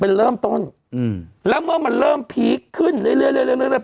เป็นเริ่มต้นอืมแล้วเมื่อมันเริ่มพีคขึ้นเรื่อยเรื่อยเรื่อยเรื่อยเรื่อย